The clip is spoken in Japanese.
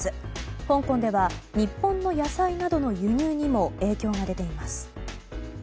香港では日本の野菜などの輸入にも影響が出ています。